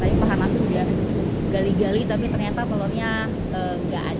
tadi pak hana sudah gali gali tapi ternyata telurnya nggak ada